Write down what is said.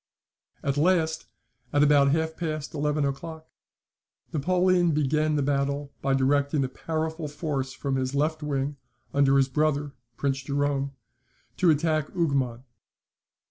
[Siborne, vol. i. p. 373.] At last, at about half past eleven o'clock, Napoleon began the battle by directing a powerful force from his left wing under his brother, Prince Jerome, to attack Hougoumont.